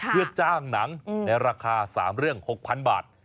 เพื่อจ้างหนังในราคา๓เรื่อง๖๐๐๐บาท